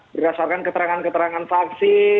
berdasarkan keterangan keterangan faksi